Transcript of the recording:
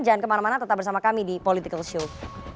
jangan kemana mana tetap bersama kami di political show